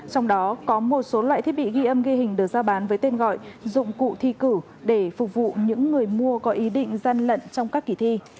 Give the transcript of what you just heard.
trong đó có một số loại thiết bị ghi âm ghi hình được giao bán với tên gọi dụng cụ thi cử để phục vụ những người mua có ý định gian lận trong các kỳ thi